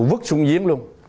nó vứt xuống giếng luôn